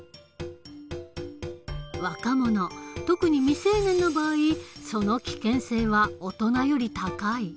若者特に未成年の場合その危険性は大人より高い。